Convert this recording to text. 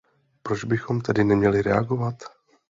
Proč bychom tedy neměli reagovat?